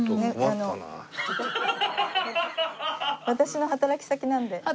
私の働き先なんで。